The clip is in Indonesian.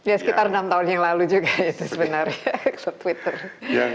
ya sekitar enam tahun yang lalu juga itu sebenarnya